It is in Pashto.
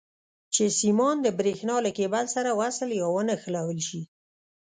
چې سیمان د برېښنا له کیبل سره وصل یا ونښلول شي.